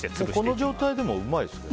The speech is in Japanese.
この状態でもうまいですよね。